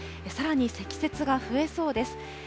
さらに積雪が増えそうです。